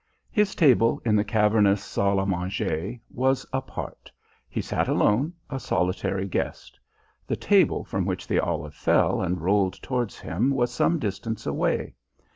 His table in the cavernous salle à manger was apart: he sat alone, a solitary guest; the table from which the olive fell and rolled towards him was some distance away.